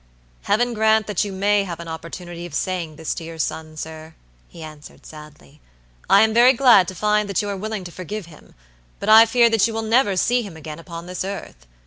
"Heaven grant that you may have an opportunity of saying this to your son, sir," he answered sadly. "I am very glad to find that you are willing to forgive him, but I fear that you will never see him again upon this earth.